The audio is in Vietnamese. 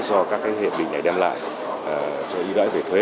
do các hiệp định này đem lại cho ưu đãi về thuế